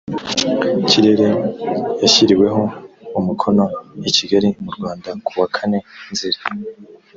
kirere yashyiriweho umukono i kigali mu rwanda ku wa kane nzeri